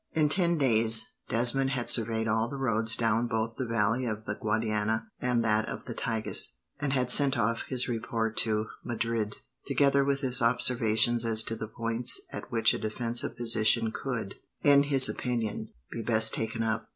In ten days, Desmond had surveyed all the roads down both the valley of the Guadiana and that of the Tagus, and had sent off his report to Madrid, together with his observations as to the points at which a defensive position could, in his opinion, be best taken up.